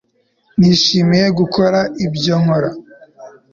Nishimiye gukora ibyo nkora